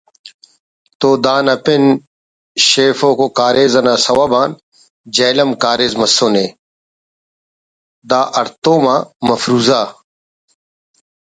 تو دانا پن شیفکو کاریز نا سوب آن جہلم کاریز مسنے دا ہڑتوم آ مفروضہ